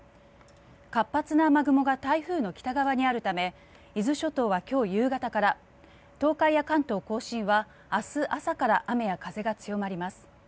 活発な雨雲が台風の北側にあるため伊豆諸島は今日夕方から東海や関東・甲信は明日朝から雨や風が強まります。